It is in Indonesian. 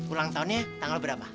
ulang tahunnya tanggal berapa